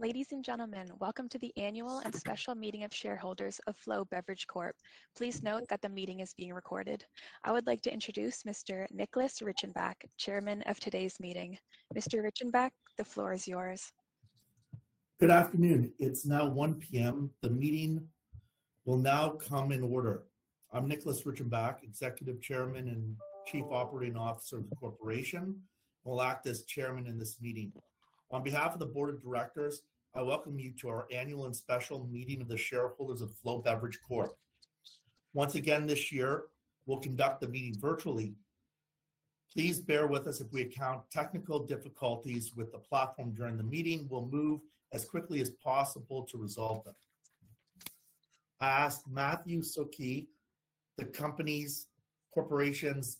Ladies and gentlemen, welcome to the annual and special meeting of shareholders of Flow Beverage Corp. Please note that the meeting is being recorded. I would like to introduce Mr. Nicholas Reichenbach, Chairman of today's meeting. Mr. Reichenbach, the floor is yours. Good afternoon. It's now 1:00 P.M. The meeting will now come in order. I'm Nicholas Reichenbach, Executive Chairman and Chief Operating Officer of the corporation, and will act as Chairman in this meeting. On behalf of the Board of Directors, I welcome you to our annual and special meeting of the shareholders of Flow Beverage Corp. Once again this year, we'll conduct the meeting virtually. Please bear with us if we encounter technical difficulties with the platform during the meeting. We'll move as quickly as possible to resolve them. I ask Mathieu Socqué, the company's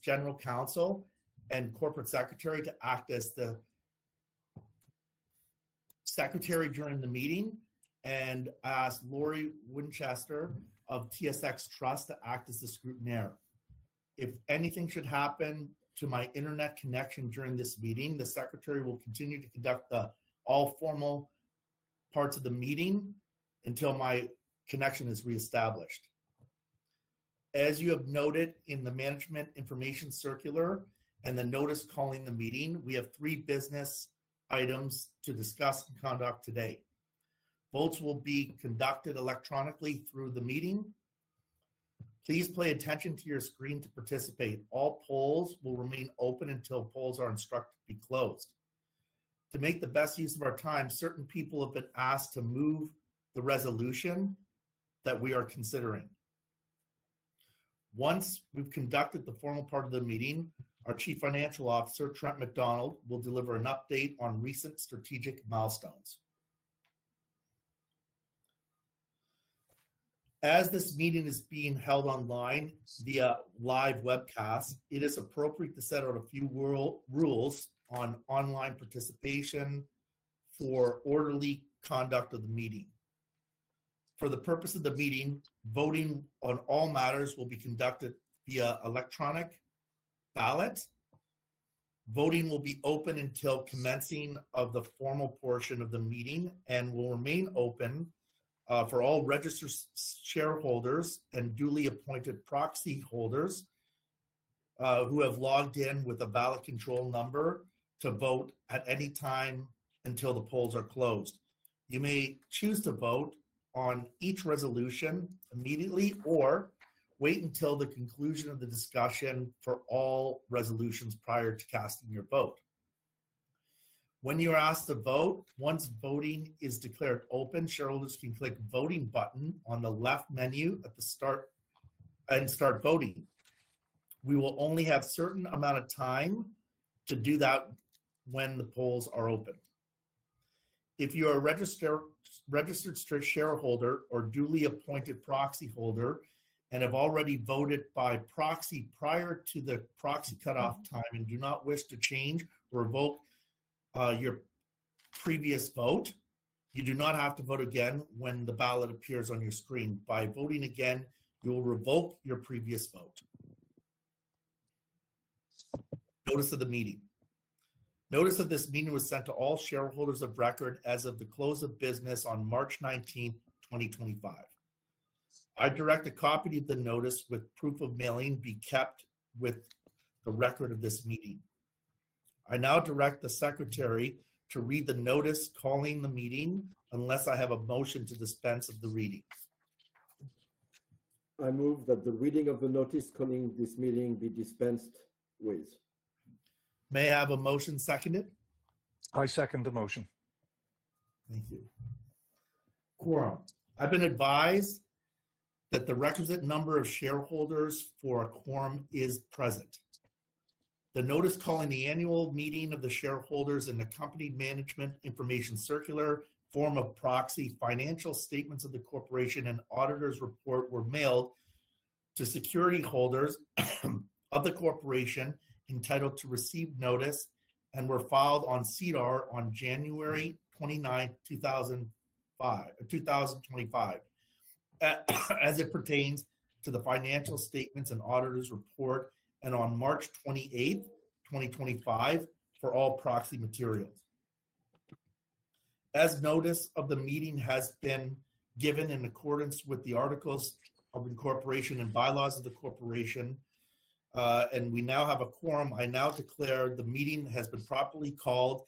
General Counsel and Corporate Secretary, to act as the Secretary during the meeting, and I ask Lori Winchester of TSX Trust to act as the Scrutineer. If anything should happen to my internet connection during this meeting, the Secretary will continue to conduct all formal parts of the meeting until my connection is reestablished. As you have noted in the Management Information Circular and the notice calling the meeting, we have three business items to discuss and conduct today. Votes will be conducted electronically through the meeting. Please pay attention to your screen to participate. All polls will remain open until polls are instructed to be closed. To make the best use of our time, certain people have been asked to move the resolution that we are considering. Once we've conducted the formal part of the meeting, our Chief Financial Officer, Trent MacDonald, will deliver an update on recent strategic milestones. As this meeting is being held online via live webcast, it is appropriate to set out a few rules on online participation for orderly conduct of the meeting. For the purpose of the meeting, voting on all matters will be conducted via electronic ballot. Voting will be open until commencing of the formal portion of the meeting and will remain open for all registered shareholders and duly appointed proxy holders who have logged in with a ballot control number to vote at any time until the polls are closed. You may choose to vote on each resolution immediately or wait until the conclusion of the discussion for all resolutions prior to casting your vote. When you're asked to vote, once voting is declared open, shareholders can click the voting button on the left menu at the start and start voting. We will only have a certain amount of time to do that when the polls are open. If you are a registered shareholder or duly appointed proxy holder and have already voted by proxy prior to the proxy cutoff time and do not wish to change or revoke your previous vote, you do not have to vote again when the ballot appears on your screen. By voting again, you will revoke your previous vote. Notice of the meeting. Notice that this meeting was sent to all shareholders of record as of the close of business on March 19, 2025. I direct a copy of the notice with proof of mailing be kept with the record of this meeting. I now direct the Secretary to read the notice calling the meeting unless I have a motion to dispense of the reading. I move that the reading of the notice calling this meeting be dispensed with. May I have a motion seconded? I second the motion. Thank you. Quorum. I've been advised that the requisite number of shareholders for a quorum is present. The notice calling the annual meeting of the shareholders and the Company Management Information Circular, form of proxy, financial statements of the corporation, and auditor's report were mailed to security holders of the corporation entitled to receive notice and were filed on SEDAR on January 29, 2025, as it pertains to the financial statements and auditor's report, and on March 28, 2025, for all proxy materials. As notice of the meeting has been given in accordance with the articles of incorporation and bylaws of the corporation, and we now have a quorum, I now declare the meeting has been properly called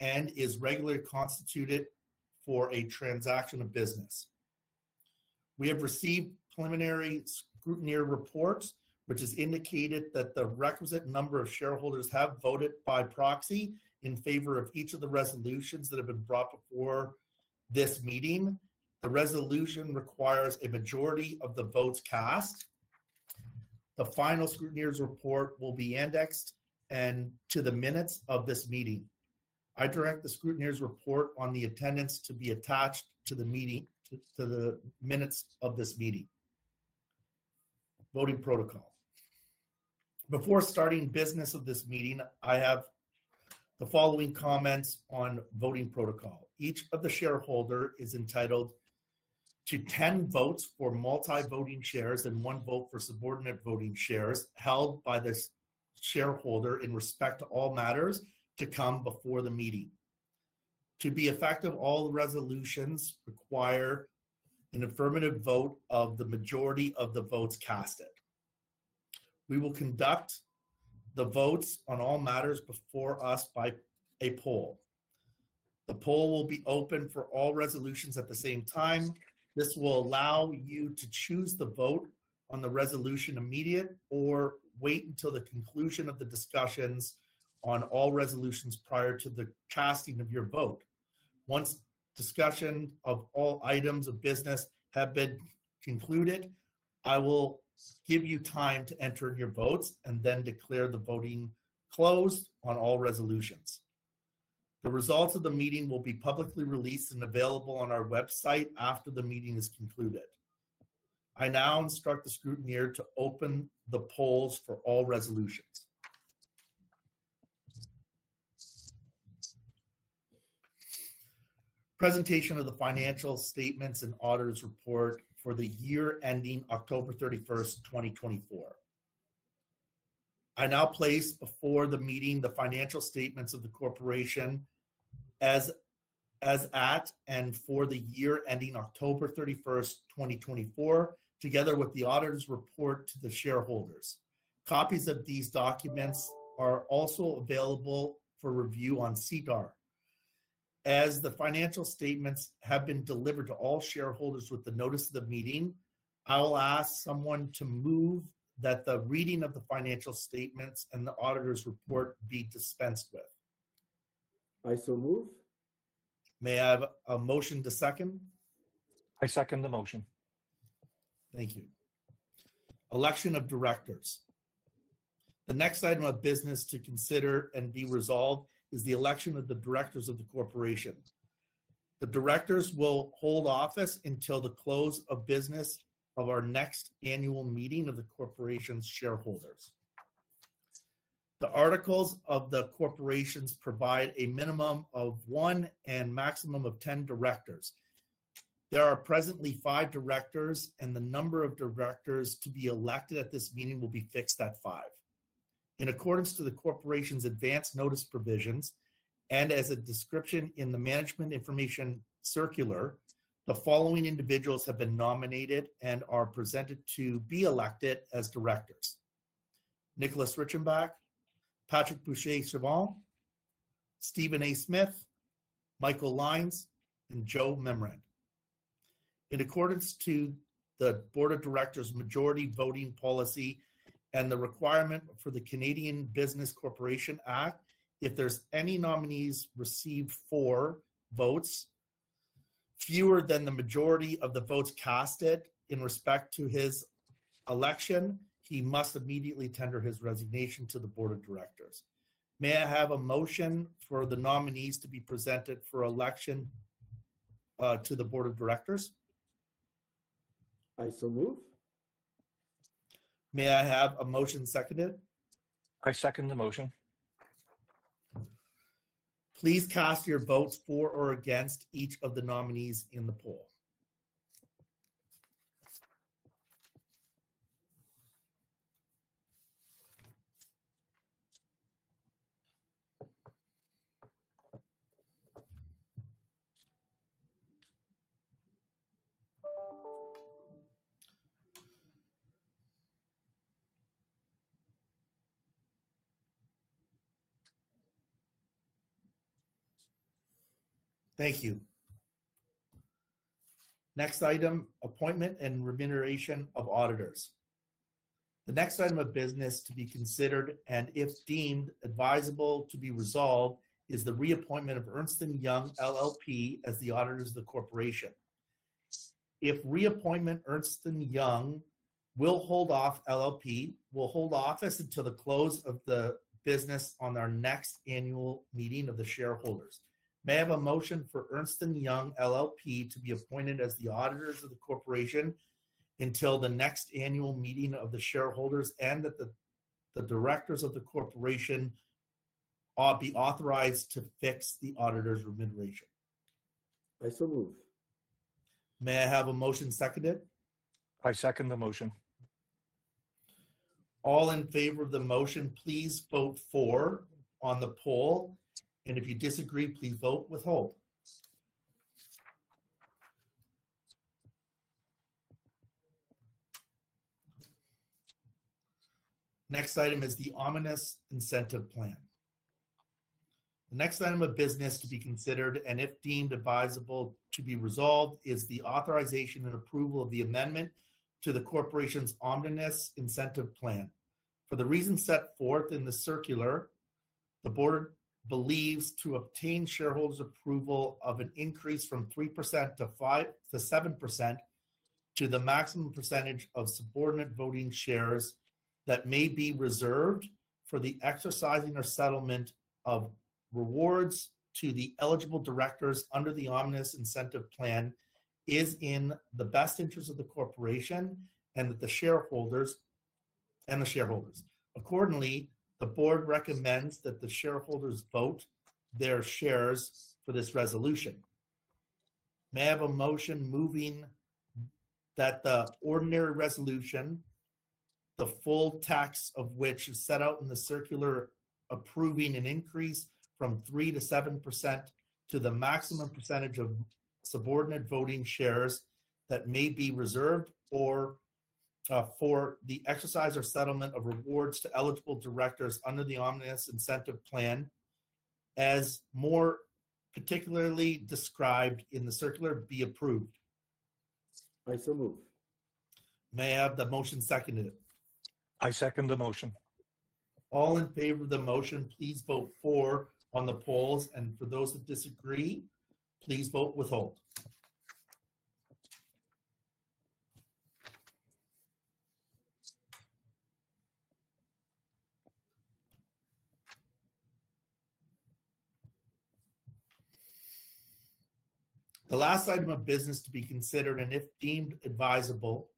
and is regularly constituted for a transaction of business. We have received preliminary scrutineer reports, which has indicated that the requisite number of shareholders have voted by proxy in favor of each of the resolutions that have been brought before this meeting. The resolution requires a majority of the votes cast. The final scrutineer's report will be indexed to the minutes of this meeting. I direct the scrutineer's report on the attendance to be attached to the minutes of this meeting. Voting protocol. Before starting business of this meeting, I have the following comments on voting protocol. Each of the shareholders is entitled to 10 votes for multi-voting shares and one vote for subordinate voting shares held by the shareholder in respect to all matters to come before the meeting. To be effective, all resolutions require an affirmative vote of the majority of the votes cast. We will conduct the votes on all matters before us by a poll. The poll will be open for all resolutions at the same time. This will allow you to choose to vote on the resolution immediately or wait until the conclusion of the discussions on all resolutions prior to the casting of your vote. Once discussion of all items of business has been concluded, I will give you time to enter your votes and then declare the voting closed on all resolutions. The results of the meeting will be publicly released and available on our website after the meeting is concluded. I now instruct the scrutineer to open the polls for all resolutions. Presentation of the financial statements and auditor's report for the year ending October 31st, 2024. I now place before the meeting the financial statements of the corporation as at and for the year ending October 31, 2024, together with the auditor's report to the shareholders. Copies of these documents are also available for review on SEDAR. As the financial statements have been delivered to all shareholders with the notice of the meeting, I will ask someone to move that the reading of the financial statements and the auditor's report be dispensed with. I so move. May I have a motion to second? I second the motion. Thank you. Election of directors. The next item of business to consider and be resolved is the election of the directors of the corporation. The directors will hold office until the close of business of our next annual meeting of the corporation's shareholders. The articles of the corporation provide a minimum of one and a maximum of 10 directors. There are presently five directors, and the number of directors to be elected at this meeting will be fixed at five. In accordance with the corporation's advance notice provisions and as described in the Management Information Circular, the following individuals have been nominated and are presented to be elected as directors: Nicholas Reichenbach, Patrick Bousquet-Chavanne, Stephen A. Smith, Michael Lines, and Joe Mimran. In accordance to the Board of Directors' majority voting policy and the requirement for the Canadian Business Corporation Act, if there's any nominees receive four votes fewer than the majority of the votes casted in respect to his election, he must immediately tender his resignation to the Board of Directors. May I have a motion for the nominees to be presented for election to the Board of Directors? I so move. May I have a motion seconded? I second the motion. Please cast your votes for or against each of the nominees in the poll. Thank you. Next item, appointment and remuneration of auditors. The next item of business to be considered and, if deemed advisable to be resolved, is the reappointment of Ernst & Young LLP as the auditors of the corporation. If reappointed, Ernst & Young LLP will hold office until the close of business on our next annual meeting of the shareholders. May I have a motion for Ernst & Young LLP to be appointed as the auditors of the corporation until the next annual meeting of the shareholders and that the directors of the corporation be authorized to fix the auditor's remuneration? I so move. May I have a motion seconded? I second the motion. All in favor of the motion, please vote for on the poll. If you disagree, please vote withhold. Next item is the Omnibus Incentive Plan. The next item of business to be considered and, if deemed advisable to be resolved, is the authorization and approval of the amendment to the corporation's Omnibus Incentive Plan. For the reason set forth in the circular, the board believes to obtain shareholders' approval of an increase from 3%-7% to the maximum percentage of subordinate voting shares that may be reserved for the exercising or settlement of rewards to the eligible directors under the Omnibus Incentive Plan is in the best interest of the corporation and the shareholders. Accordingly, the board recommends that the shareholders vote their shares for this resolution. May I have a motion moving that the ordinary resolution, the full text of which is set out in the circular, approving an increase from 3%-7% to the maximum percentage of subordinate voting shares that may be reserved for the exercise or settlement of rewards to eligible directors under the Omnibus Incentive Plan, as more particularly described in the circular, be approved? I so move. May I have the motion seconded? I second the motion. All in favor of the motion, please vote for on the polls. For those that disagree, please vote withhold. The last item of business to be considered and, if deemed advisable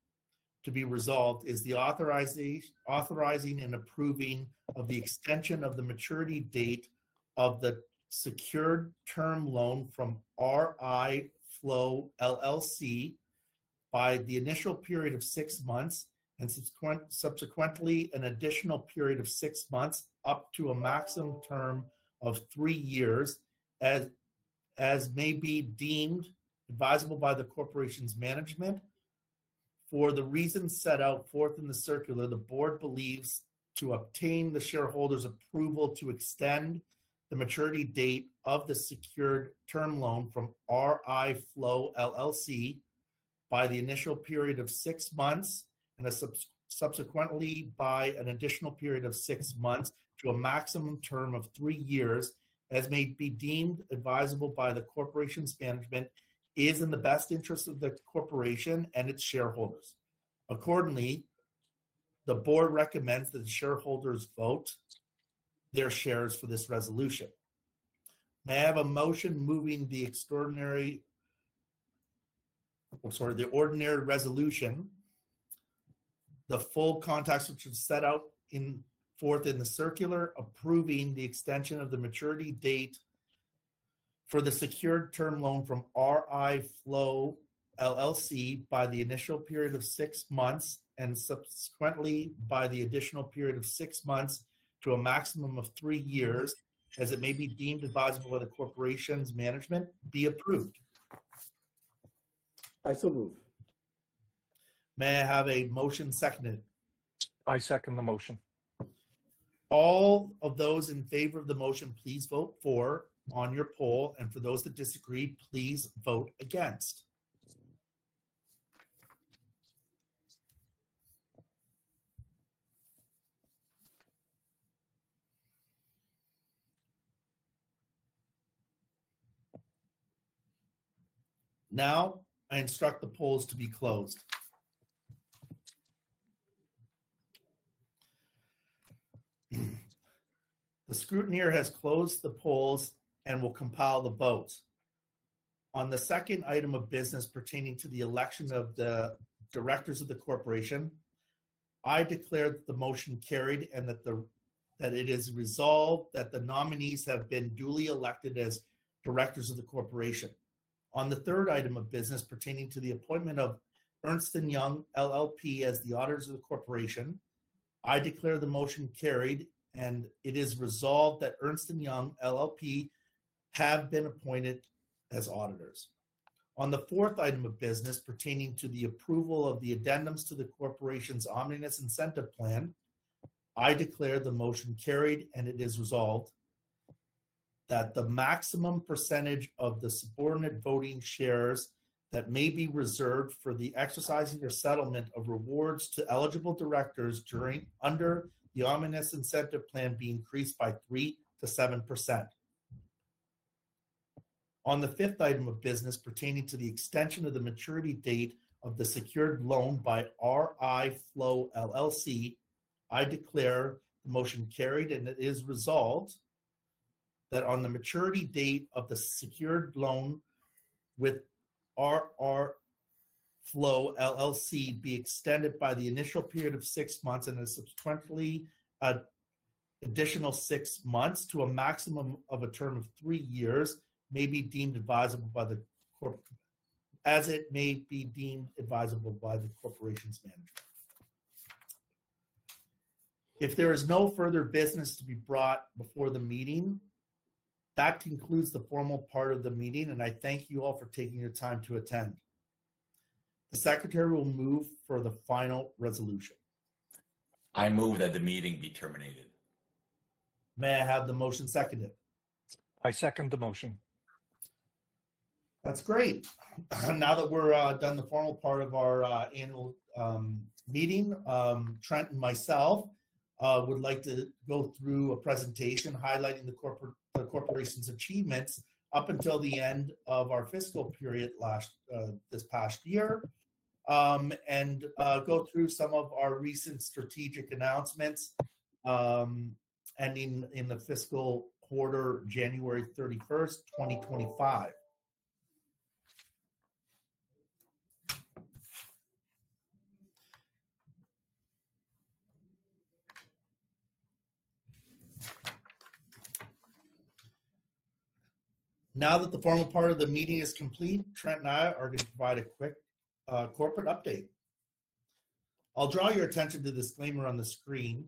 to be resolved, is the authorizing and approving of the extension of the maturity date of the secured term loan from RI Flow LLC by the initial period of six months and subsequently an additional period of six months up to a maximum term of three years, as may be deemed advisable by the corporation's management. For the reason set out forth in the circular, the board believes to obtain the shareholders' approval to extend the maturity date of the secured term loan from RI Flow LLC, by the initial period of six months and subsequently by an additional period of six months to a maximum term of three years, as may be deemed advisable by the corporation's management, is in the best interest of the corporation and its shareholders. Accordingly, the board recommends that the shareholders vote their shares for this resolution. May I have a motion moving the ordinary resolution, the full contracts which are set out forth in the circular, approving the extension of the maturity date for the secured term loan from RI Flow LLC, by the initial period of six months and subsequently by the additional period of six months to a maximum of three years, as it may be deemed advisable by the corporation's management, be approved? I so move. May I have a motion seconded? I second the motion. All of those in favor of the motion, please vote for on your poll. For those that disagree, please vote against. Now, I instruct the polls to be closed. The scrutineer has closed the polls and will compile the votes. On the second item of business pertaining to the election of the directors of the corporation, I declare the motion carried and that it is resolved that the nominees have been duly elected as directors of the corporation. On the third item of business pertaining to the appointment of Ernst & Young LLP as the auditors of the corporation, I declare the motion carried and it is resolved that Ernst & Young LLP have been appointed as auditors. On the fourth item of business pertaining to the approval of the addendums to the corporation's Omnibus Incentive Plan, I declare the motion carried and it is resolved that the maximum percentage of the subordinate voting shares that may be reserved for the exercising or settlement of rewards to eligible directors under the Omnibus Incentive Plan be increased by 3%-7%. On the fifth item of business pertaining to the extension of the maturity date of the secured loan by RI Flow LLC, I declare the motion carried and it is resolved that on the maturity date of the secured loan with RI Flow LLC, be extended by the initial period of six months and a subsequently additional six months to a maximum of a term of three years may be deemed advisable by the corporation as it may be deemed advisable by the corporation's management. If there is no further business to be brought before the meeting, that concludes the formal part of the meeting, and I thank you all for taking your time to attend. The Secretary will move for the final resolution. I move that the meeting be terminated. May I have the motion seconded? I second the motion. That's great. Now that we're done the formal part of our annual meeting, Trent and myself would like to go through a presentation highlighting the corporation's achievements up until the end of our fiscal period this past year and go through some of our recent strategic announcements ending in the fiscal quarter, January 31st, 2025. Now that the formal part of the meeting is complete, Trent and I are going to provide a quick corporate update. I'll draw your attention to the disclaimer on the screen.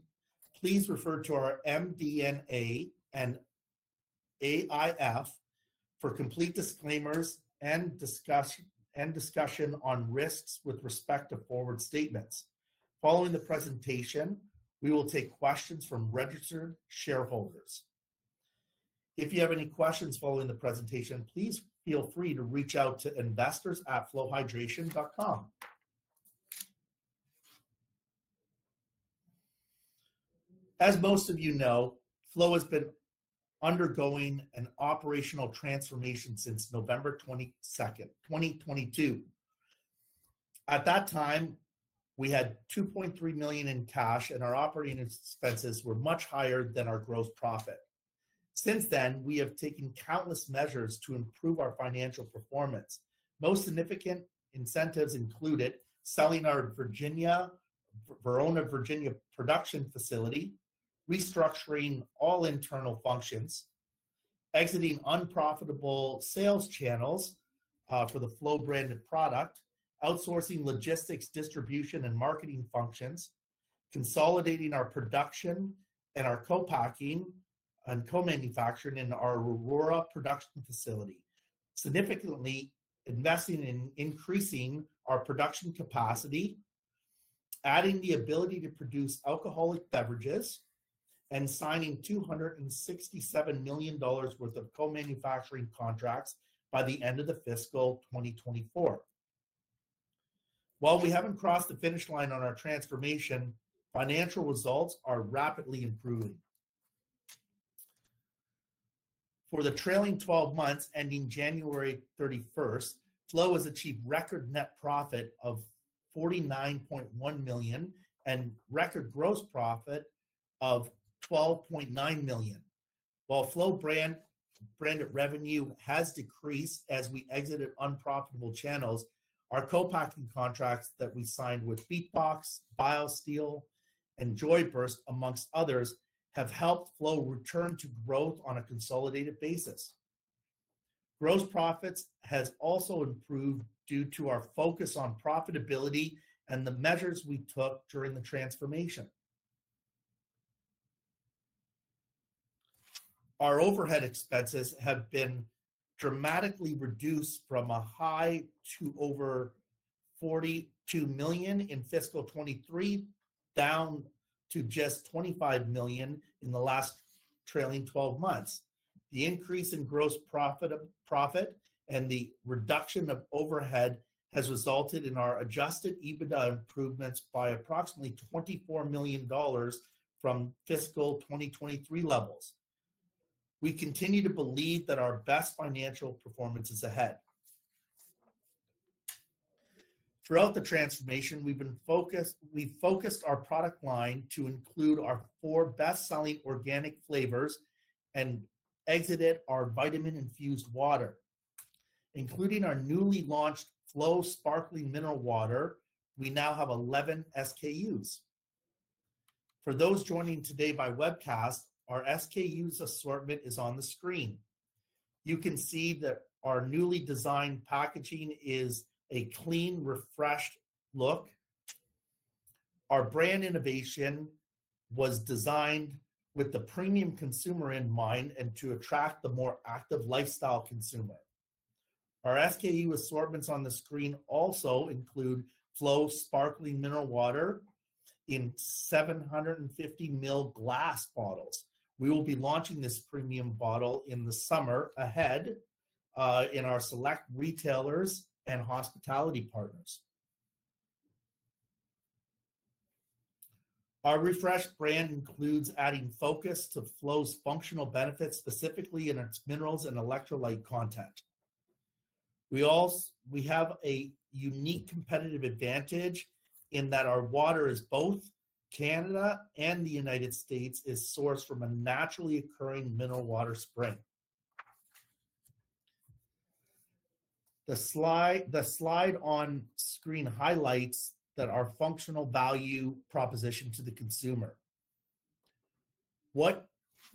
Please refer to our MD&A and AIF for complete disclaimers and discussion on risks with respect to forward statements. Following the presentation, we will take questions from registered shareholders. If you have any questions following the presentation, please feel free to reach out to investors@flowhydration.com. As most of you know, Flow has been undergoing an operational transformation since November 22nd, 2022. At that time, we had 2.3 million in cash, and our operating expenses were much higher than our gross profit. Since then, we have taken countless measures to improve our financial performance. Most significant incentives included selling our Verona, Virginia production facility, restructuring all internal functions, exiting unprofitable sales channels for the Flow-branded product, outsourcing logistics, distribution, and marketing functions, consolidating our production and our co-packing and co-manufacturing in our Aurora production facility, significantly investing in increasing our production capacity, adding the ability to produce alcoholic beverages, and signing 267 million dollars worth of co-manufacturing contracts by the end of the fiscal 2024. While we have not crossed the finish line on our transformation, financial results are rapidly improving. For the trailing 12 months ending January 31st, Flow has achieved record net profit of 49.1 million and record gross profit of 12.9 million. While Flow-branded revenue has decreased as we exited unprofitable channels, our co-packing contracts that we signed with BeatBox, BioSteel, and Joyburst, amongst others, have helped Flow return to growth on a consolidated basis. Gross profits have also improved due to our focus on profitability and the measures we took during the transformation. Our overhead expenses have been dramatically reduced from a high to over 42 million in fiscal 2023, down to just 25 million in the last trailing 12 months. The increase in gross profit and the reduction of overhead has resulted in our adjusted EBITDA improvements by approximately 24 million dollars from fiscal 2023 levels. We continue to believe that our best financial performance is ahead. Throughout the transformation, we've focused our product line to include our four best-selling organic flavors and exited our vitamin-infused water. Including our newly launched Flow Sparkling Mineral Water, we now have 11 SKUs. For those joining today by webcast, our SKUs assortment is on the screen. You can see that our newly designed packaging is a clean, refreshed look. Our brand innovation was designed with the premium consumer in mind and to attract the more active lifestyle consumer. Our SKU assortments on the screen also include Flow Sparkling Mineral Water in 750 ml glass bottles. We will be launching this premium bottle in the summer ahead in our select retailers and hospitality partners. Our refreshed brand includes adding focus to Flow's functional benefits, specifically in its minerals and electrolyte content. We have a unique competitive advantage in that our water in both Canada and the United States is sourced from a naturally occurring mineral water spring. The slide on screen highlights our functional value proposition to the consumer. What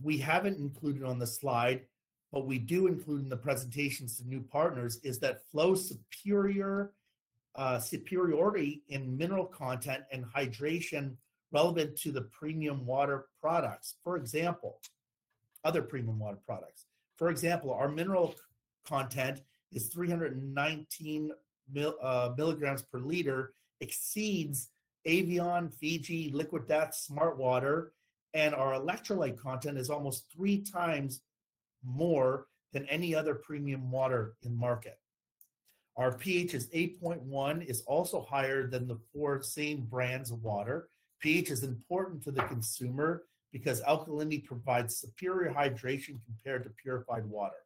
we haven't included on the slide, but we do include in the presentations to new partners, is that Flow's superiority in mineral content and hydration relevant to the premium water products. For example, other premium water products. For example, our mineral content is 319 mg per liter, exceeds Evian, Fiji, Liquid Death, Smartwater, and our electrolyte content is almost three times more than any other premium water in the market. Our pH is 8.1, is also higher than the four same brands of water. pH is important to the consumer because alkalinity provides superior hydration compared to purified water.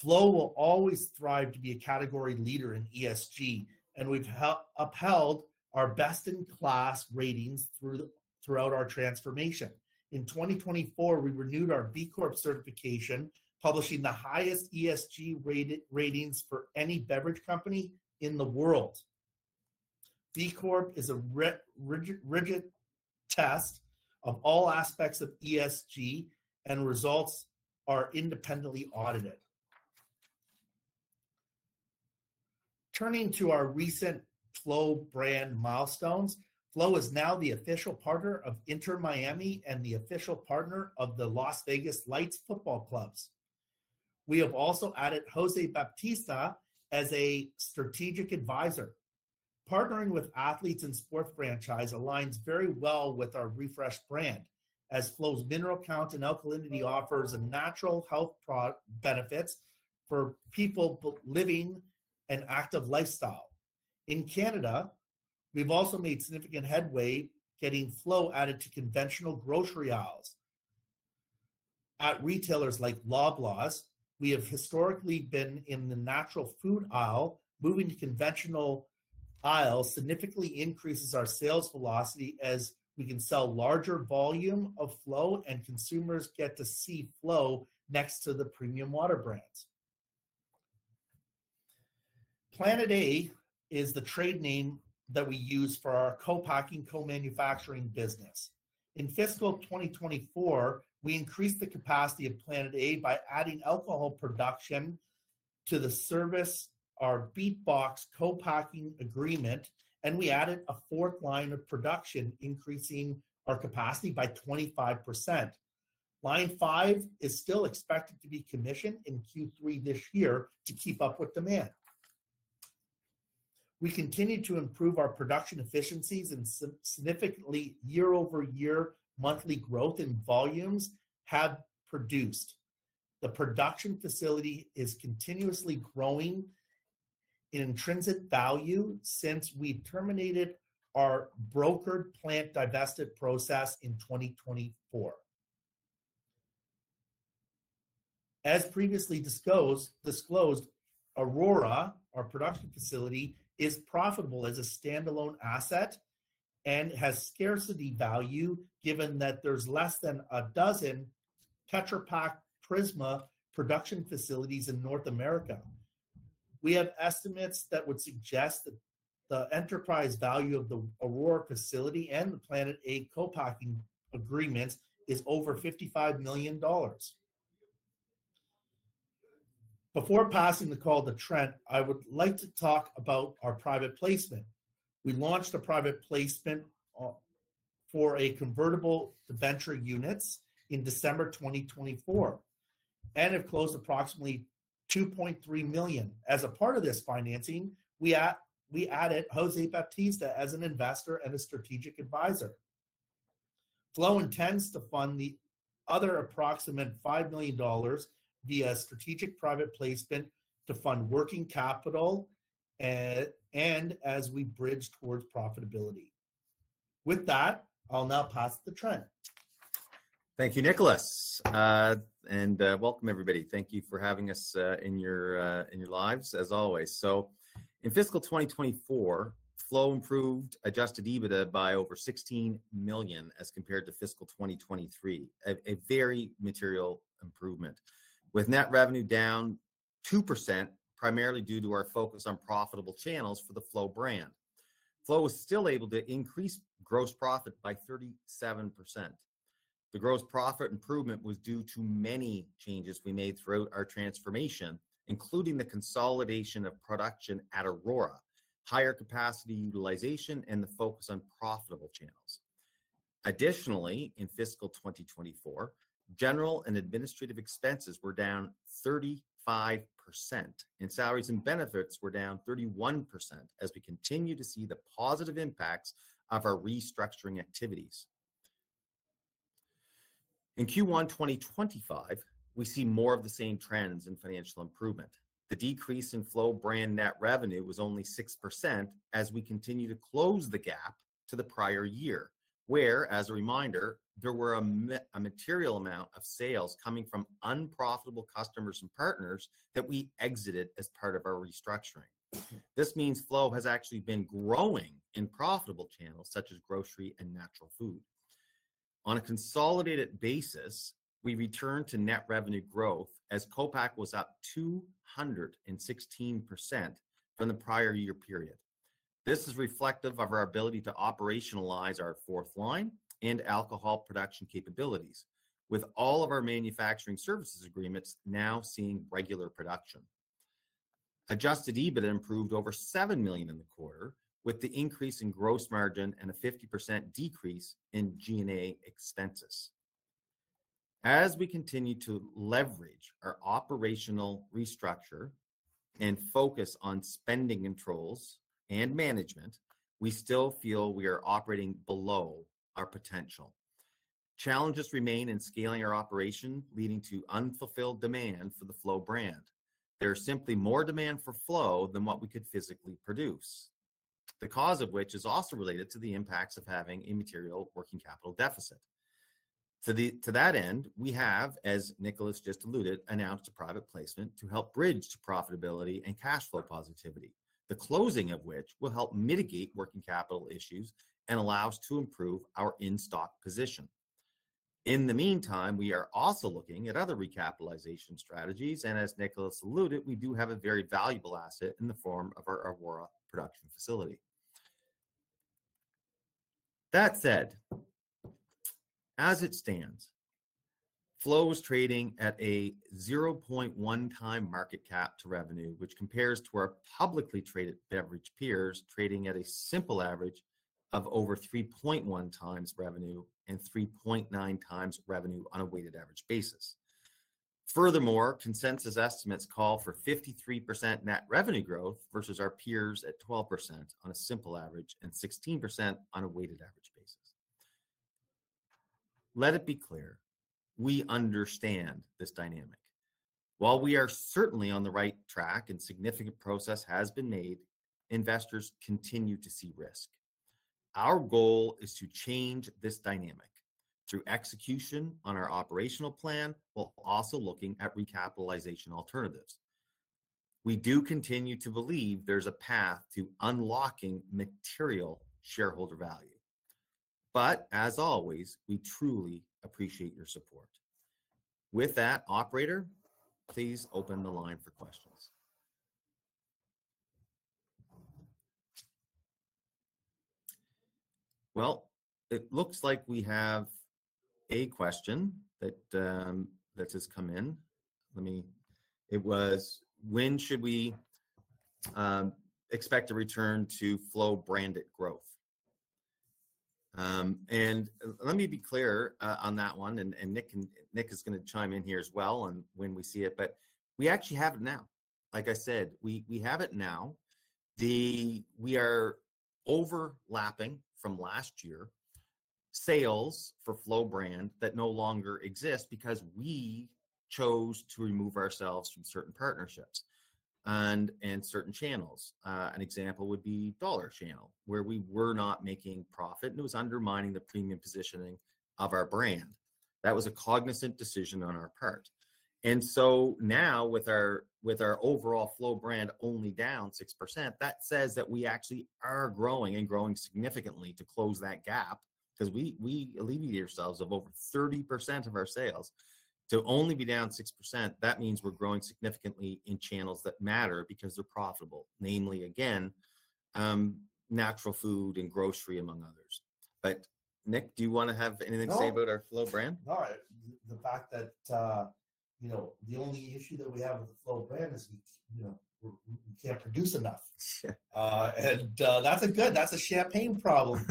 Flow will always thrive to be a category leader in ESG, and we've upheld our best-in-class ratings throughout our transformation. In 2024, we renewed our B Corp certification, publishing the highest ESG ratings for any beverage company in the world. B Corp is a rigid test of all aspects of ESG, and results are independently audited. Turning to our recent Flow brand milestones, Flow is now the official partner of Inter Miami and the official partner of the Las Vegas Lights Football Clubs. We have also added José Bautista as a strategic advisor. Partnering with athletes and sports franchises aligns very well with our refreshed brand, as Flow's mineral count and alkalinity offers natural health benefits for people living an active lifestyle. In Canada, we've also made significant headway getting Flow added to conventional grocery aisles. At retailers like Loblaws, we have historically been in the natural food aisle. Moving to conventional aisles significantly increases our sales velocity as we can sell a larger volume of Flow, and consumers get to see Flow next to the premium water brands. Planet A is the trade name that we use for our co-packing, co-manufacturing business. In fiscal 2024, we increased the capacity of Planet A by adding alcohol production to the service, our BeatBox co-packing agreement, and we added a fourth line of production, increasing our capacity by 25%. Line 5 is still expected to be commissioned in Q3 this year to keep up with demand. We continue to improve our production efficiencies, and significantly year-over-year monthly growth in volumes have produced. The production facility is continuously growing in intrinsic value since we terminated our brokered plant divested process in 2024. As previously disclosed, Aurora, our production facility, is profitable as a standalone asset and has scarcity value given that there is less than a dozen Tetra Pak Prisma production facilities in North America. We have estimates that would suggest that the enterprise value of the Aurora facility and the Planet A co-packing agreements is over CAD 55 million. Before passing the call to Trent, I would like to talk about our private placement. We launched a private placement for convertible venture units in December 2024 and have closed approximately 2.3 million. As a part of this financing, we added José Bautista as an investor and a strategic advisor. Flow intends to fund the other approximate 5 million dollars via strategic private placement to fund working capital and as we bridge towards profitability. With that, I'll now pass it to Trent. Thank you, Nicholas. Welcome, everybody. Thank you for having us in your lives, as always. In fiscal 2024, Flow improved adjusted EBITDA by over 16 million as compared to fiscal 2023, a very material improvement, with net revenue down 2%, primarily due to our focus on profitable channels for the Flow brand. Flow was still able to increase gross profit by 37%. The gross profit improvement was due to many changes we made throughout our transformation, including the consolidation of production at Aurora, higher capacity utilization, and the focus on profitable channels. Additionally, in fiscal 2024, general and administrative expenses were down 35%, and salaries and benefits were down 31% as we continue to see the positive impacts of our restructuring activities. In Q1 2025, we see more of the same trends in financial improvement. The decrease in Flow brand net revenue was only 6% as we continue to close the gap to the prior year, where, as a reminder, there were a material amount of sales coming from unprofitable customers and partners that we exited as part of our restructuring. This means Flow has actually been growing in profitable channels such as grocery and natural food. On a consolidated basis, we returned to net revenue growth as co-pack was up 216% from the prior year period. This is reflective of our ability to operationalize our fourth line and alcohol production capabilities, with all of our manufacturing services agreements now seeing regular production. Adjusted EBITDA improved over 7 million in the quarter with the increase in gross margin and a 50% decrease in G&A expenses. As we continue to leverage our operational restructure and focus on spending controls and management, we still feel we are operating below our potential. Challenges remain in scaling our operation, leading to unfulfilled demand for the Flow brand. There is simply more demand for Flow than what we could physically produce, the cause of which is also related to the impacts of having a material working capital deficit. To that end, we have, as Nicholas just alluded, announced a private placement to help bridge to profitability and cash flow positivity, the closing of which will help mitigate working capital issues and allow us to improve our in-stock position. In the meantime, we are also looking at other recapitalization strategies, and as Nicholas alluded, we do have a very valuable asset in the form of our Aurora production facility. That said, as it stands, Flow is trading at a 0.1-time market cap to revenue, which compares to our publicly traded beverage peers trading at a simple average of over 3.1 times revenue and 3.9 times revenue on a weighted average basis. Furthermore, consensus estimates call for 53% net revenue growth versus our peers at 12% on a simple average and 16% on a weighted average basis. Let it be clear, we understand this dynamic. While we are certainly on the right track and significant progress has been made, investors continue to see risk. Our goal is to change this dynamic through execution on our operational plan while also looking at recapitalization alternatives. We do continue to believe there is a path to unlocking material shareholder value. As always, we truly appreciate your support. With that, operator, please open the line for questions. It looks like we have a question that has come in. Let me. It was, when should we expect to return to Flow branded growth? Let me be clear on that one, and Nick is going to chime in here as well on when we see it, but we actually have it now. Like I said, we have it now. We are overlapping from last year sales for Flow brand that no longer exists because we chose to remove ourselves from certain partnerships and certain channels. An example would be Dollar Channel, where we were not making profit and it was undermining the premium positioning of our brand. That was a cognizant decision on our part. Now with our overall Flow brand only down 6%, that says that we actually are growing and growing significantly to close that gap because we alleviated ourselves of over 30% of our sales. To only be down 6%, that means we're growing significantly in channels that matter because they're profitable, namely, again, natural food and grocery, among others. Nick, do you want to have anything to say about our Flow brand? No, the fact that the only issue that we have with the Flow brand is we can't produce enough. That's a good, that's a champagne problem.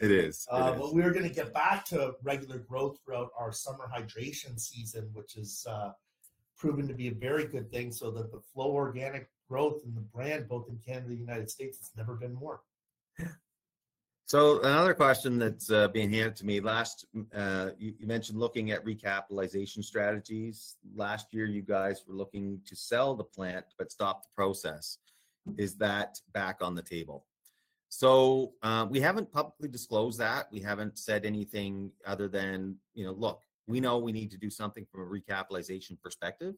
It is. We're going to get back to regular growth throughout our summer hydration season, which has proven to be a very good thing so that the Flow organic growth and the brand, both in Canada and the United States, has never been more. Another question that's being handed to me. You mentioned looking at recapitalization strategies. Last year, you guys were looking to sell the plant but stopped the process. Is that back on the table? We haven't publicly disclosed that. We haven't said anything other than, look, we know we need to do something from a recapitalization perspective.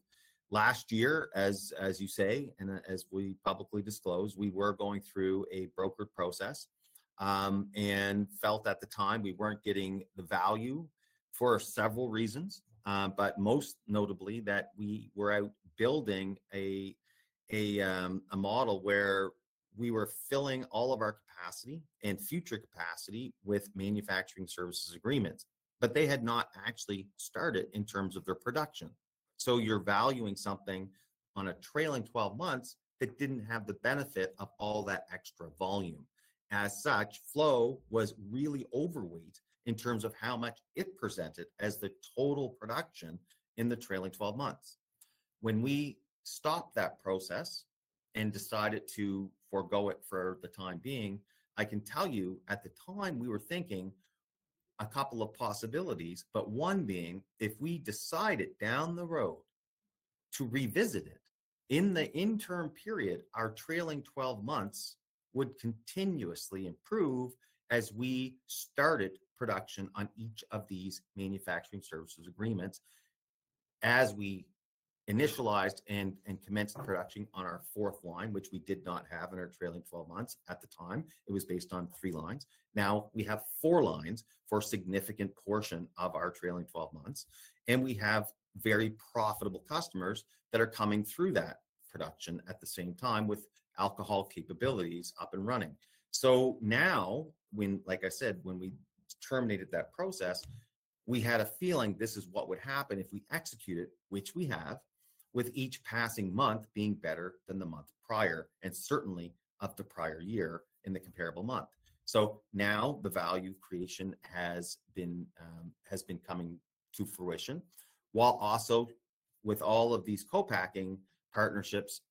Last year, as you say, and as we publicly disclosed, we were going through a brokered process and felt at the time we weren't getting the value for several reasons, but most notably that we were out building a model where we were filling all of our capacity and future capacity with manufacturing services agreements, but they had not actually started in terms of their production. You're valuing something on a trailing 12 months that didn't have the benefit of all that extra volume. As such, Flow was really overweight in terms of how much it presented as the total production in the trailing 12 months. When we stopped that process and decided to forgo it for the time being, I can tell you at the time we were thinking a couple of possibilities, but one being, if we decided down the road to revisit it in the interim period, our trailing 12 months would continuously improve as we started production on each of these manufacturing services agreements as we initialized and commenced production on our fourth line, which we did not have in our trailing 12 months at the time. It was based on three lines. Now we have four lines for a significant portion of our trailing 12 months, and we have very profitable customers that are coming through that production at the same time with alcohol capabilities up and running. Like I said, when we terminated that process, we had a feeling this is what would happen if we executed, which we have, with each passing month being better than the month prior and certainly of the prior year in the comparable month. Now the value creation has been coming to fruition. While also with all of these co-packing partnerships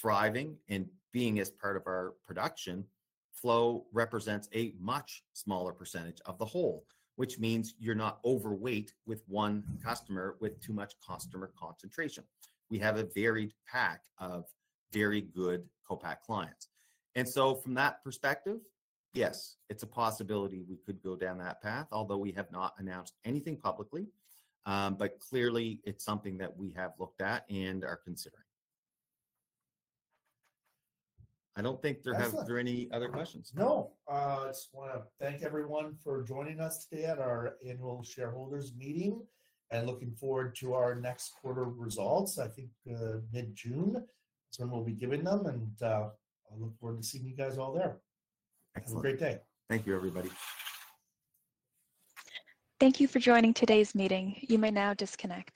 thriving and being as part of our production, Flow represents a much smaller percentage of the whole, which means you're not overweight with one customer with too much customer concentration. We have a varied pack of very good co-pack clients. From that perspective, yes, it's a possibility we could go down that path, although we have not announced anything publicly. Clearly, it's something that we have looked at and are considering. I don't think there are any other questions. No. I just want to thank everyone for joining us today at our annual shareholders meeting and looking forward to our next quarter results. I think mid-June, that's when we'll be giving them, and I look forward to seeing you guys all there. Have a great day. Thank you, everybody. Thank you for joining today's meeting. You may now disconnect.